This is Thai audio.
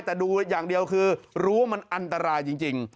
แต่ดูอย่างเดียวคือรู้ว่ามันอันตรายจริง